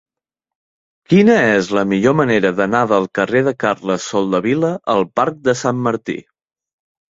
Quina és la millor manera d'anar del carrer de Carles Soldevila al parc de Sant Martí?